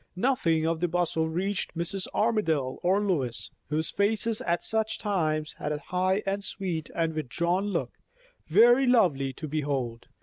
Nothing of the bustle reached Mrs. Armadale or Lois, whose faces at such times had a high and sweet and withdrawn look, very lovely to behold.